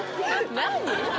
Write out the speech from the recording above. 何？